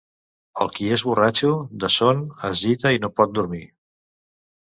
El qui és borratxo, de son, es gita i no pot dormir.